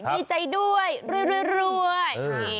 ดีใจด้วยรวย